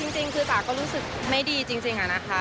จริงคือจ๋าก็รู้สึกไม่ดีจริงอะนะคะ